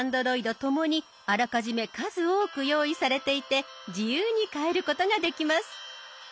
ともにあらかじめ数多く用意されていて自由に変えることができます。